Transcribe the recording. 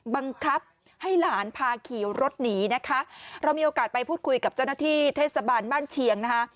บังคับให้หลานพาขี่รถหนีนะคะเรามีโอกาสไปพูดคุยกับเจ้าหน้าที่เทศบาลบ้านเชียงนะคะ